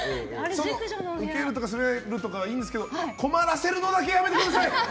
攻めるのはいいんですけど困らせるのだけやめてください。